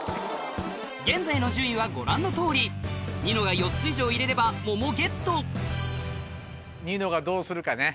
現在の順位はご覧のとおりニノが４つ以上入れれば桃ゲットニノがどうするかね。